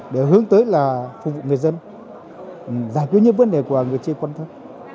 để hướng tới là phục vụ người dân giải quyết những vấn đề của người trên quân thân